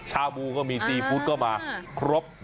ชาบู้ก็มีซีฟู้ดเข้ามาเคราะห์